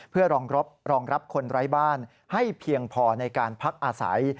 เพื่อรองรับคนไร้บ้านให้เพียงพอในการพักอาศัย